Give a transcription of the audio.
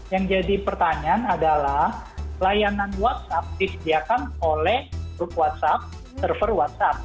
yang jadi pertanyaan adalah layanan whatsapp disediakan oleh grup whatsapp server whatsapp